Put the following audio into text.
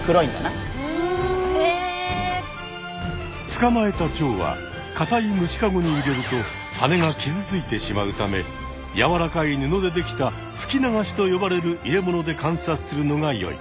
つかまえたチョウはかたい虫かごに入れるとはねが傷ついてしまうためやわらかい布でできたふきながしと呼ばれる入れ物で観察するのがよい。